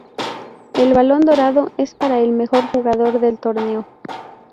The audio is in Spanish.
El balón dorado es para el mejor jugador del torneo.